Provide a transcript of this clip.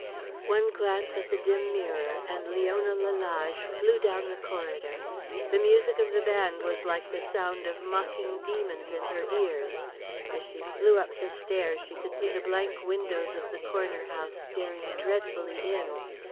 One glance at the dim mirror and Leona Lalage flew down the corridor. The music of the band was like the sound of mocking demons in her ears. As she flew up the stairs she could see the blank windows of the Corner House staring dreadfully in.